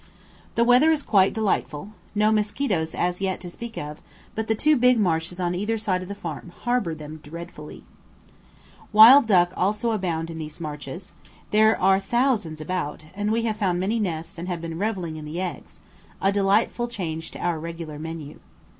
The weather is quite delightful, no mosquitoes as yet to speak of; but the two big marshes on either side of the farm harbour them dreadfully. Wild duck also abound in these marshes; there are thousands about, and we have found many nests and been revelling in the eggs, a delightful change to our regular menu.